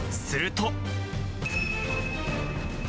すると。